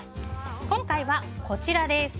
今回は、こちらです！